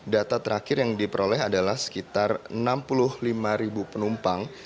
data terakhir yang diperoleh adalah sekitar enam puluh lima ribu penumpang